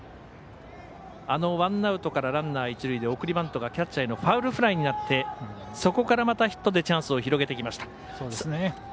あのワンアウトからランナー、一塁で送りバントがキャッチャーへのファウルフライになってそこから、またヒットでチャンスを広げてきました。